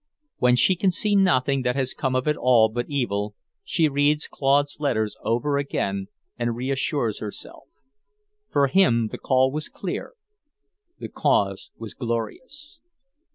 When she can see nothing that has come of it all but evil, she reads Claude's letters over again and reassures herself; for him the call was clear, the cause was glorious.